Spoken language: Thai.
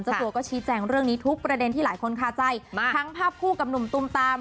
ตัวก็ชี้แจงเรื่องนี้ทุกประเด็นที่หลายคนคาใจทั้งภาพคู่กับหนุ่มตุมตาม